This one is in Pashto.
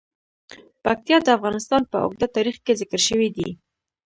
پکتیا د افغانستان په اوږده تاریخ کې ذکر شوی دی.